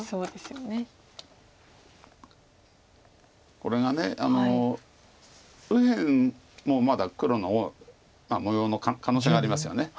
これが右辺もまだ黒の模様の可能性がありますよね。